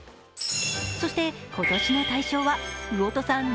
そして今年の大賞は魚豊さん